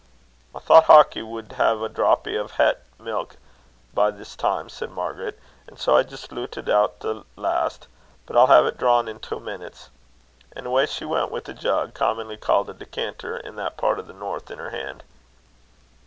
"I thocht Hawkie wad hae a drappy o' het milk by this time," said Margaret, "and sae I jist loot it be to the last; but I'll hae't drawn in twa minutes." And away she went with a jug, commonly called a decanter in that part of the north, in her hand.